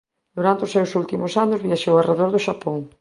Durante os seus últimos anos viaxou arredor do Xapón.